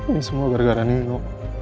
ini semua gara gara nino